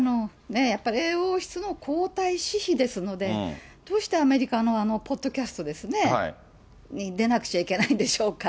やっぱり英王室の皇太子妃ですので、どうしてアメリカのポッドキャストに出なくちゃいけないんでしょうか。